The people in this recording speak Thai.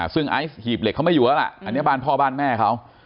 ซึ่งไอซ์หีบเหล็กเขาไม่อยู่แล้วล่ะอันนี้บ้านพ่อบ้านแม่เขา